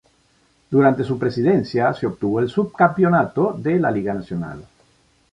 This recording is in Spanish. Durante su presidencia se obtuvo el subcampeonato de la liga nacional.